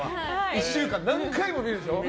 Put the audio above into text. １週間、何回も見るんでしょ。